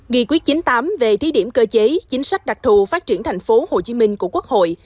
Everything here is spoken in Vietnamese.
nghị quyết chín mươi tám về thí điểm cơ chế chính sách đặc thù phát triển tp hcm của quốc hội